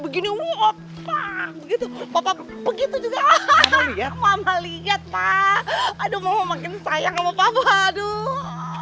begini woi begitu begitu juga hahaha lihat mama lihat pak aduh mau makin sayang sama papa aduh